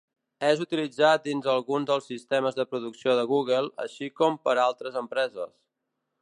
És utilitzat dins alguns dels sistemes de producció de Google, així com per altres empreses.